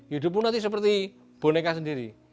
hidupmu nanti seperti boneka sendiri